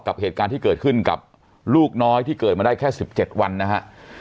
กับเหตุการณ์ที่เกิดขึ้นกับลูกน้อยที่เกิดมาได้แค่๑๗วันนะฮะ